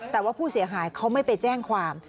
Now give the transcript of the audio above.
แต่ว่าผู้เสียหายเขาไม่ไปแจ้งความ